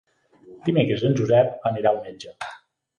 Dimecres en Josep anirà al metge.